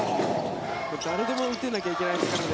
誰でも打てなきゃいけないですからね